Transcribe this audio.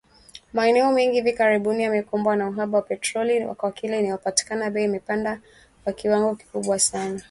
Maeneo mengi hivi karibuni yamekumbwa na uhaba wa petroli na kwa ile inayopatikana bei imepanda kwa kiwango kikubwa sana